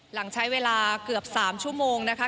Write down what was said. หลังใช้เวลาเกือบ๓ชั่วโมงนะคะ